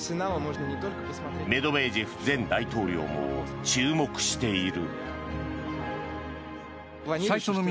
メドベージェフ前大統領も注目している。